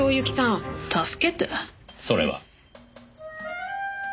それは。